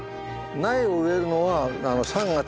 苗を植えるのは。